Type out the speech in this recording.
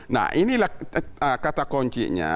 nah inilah kata koncinya